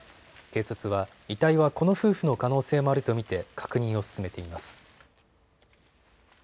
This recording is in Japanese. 警察は遺体はこの夫婦の可能性もあると見て確認を進めています。